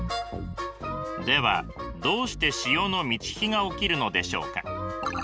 ではどうして潮の満ち干が起きるのでしょうか。